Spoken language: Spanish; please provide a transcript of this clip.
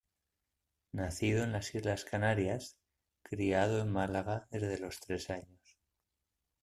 Nacido en las islas Canarias, criado en Málaga desde los tres años.